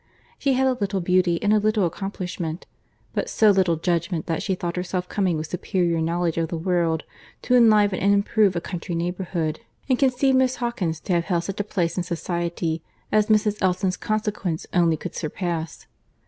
She had a little beauty and a little accomplishment, but so little judgment that she thought herself coming with superior knowledge of the world, to enliven and improve a country neighbourhood; and conceived Miss Hawkins to have held such a place in society as Mrs. Elton's consequence only could surpass.